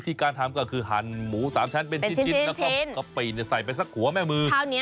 การทำก็คือหั่นหมู๓ชั้นเป็นชิ้นแล้วก็กะปิใส่ไปสักหัวแม่มือ